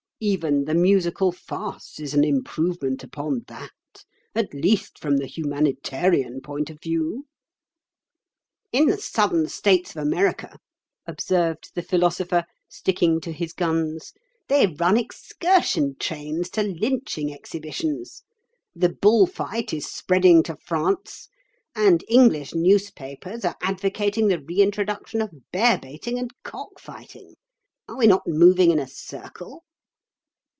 Even the musical farce is an improvement upon that—at least, from the humanitarian point of view." "In the Southern States of America," observed the Philosopher, sticking to his guns, "they run excursion trains to lynching exhibitions. The bull fight is spreading to France, and English newspapers are advocating the reintroduction of bear baiting and cock fighting. Are we not moving in a circle?"